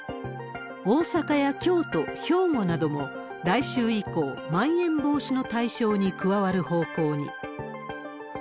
大阪や京都、兵庫なども、来週以降、まん延防止の対象に加わる方向に。